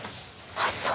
あっそう。